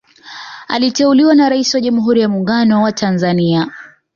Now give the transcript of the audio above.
Aliteuliwa na Rais wa Jamhuri ya muungano wa Tanzania